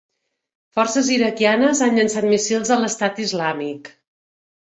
Forces iraquianes han llançat míssils a l'Estat Islàmic